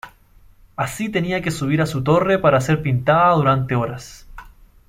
Así tenía que subir a su torre para ser pintada durante horas.